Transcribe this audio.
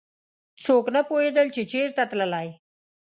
څوک نه پوهېدل چې چېرته تللی.